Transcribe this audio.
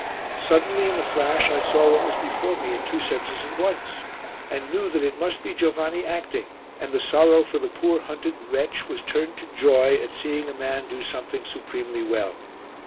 Suddenly, in a flash, I saw what was before me in two senses at once, and knew that it must be Giovanni acting, and the sorrow for the poor hunted wretch was turned to joy at seeing a man do something supremely well.